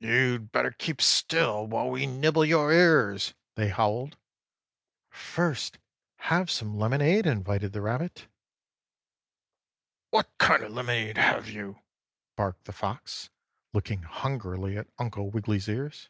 "You'd better keep still while we nibble your ears!" they howled. "First have some lemonade," invited the rabbit. 8. "What kind of lemonade have you?" barked the Fox, looking hungrily at Uncle Wiggily's ears.